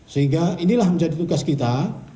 sehingga inilah menjadi tugas kita